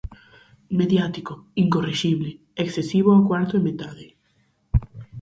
Mediático, incorrixible, excesivo a cuarto e metade.